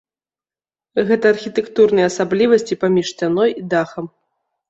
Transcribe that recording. Гэта архітэктурныя асаблівасці паміж сцяной і дахам.